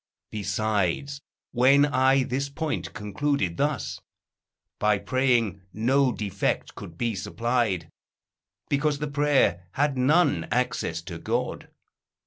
Besides, when I this point concluded thus, By praying no defect could be supplied: Because the prayer had none access to God.